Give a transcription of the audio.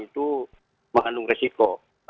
itu mengandung risiko